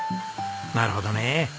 なるほどね。